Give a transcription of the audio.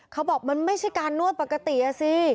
เขาบอกมันไม่ใช่การนวดปกติอ่ะสิ